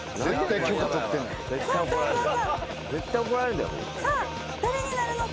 絶対怒られるで。